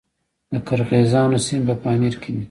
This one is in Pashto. د قرغیزانو سیمې په پامیر کې دي